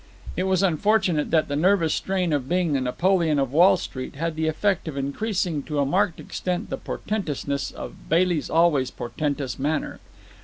It was unfortunate that the nervous strain of being the Napoleon of Wall Street had had the effect of increasing to a marked extent the portentousness of Bailey's always portentous manner.